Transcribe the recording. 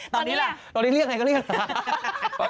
ตอนนี้ล่ะตอนนี้เรียกอะไรก็เรียกเหรอ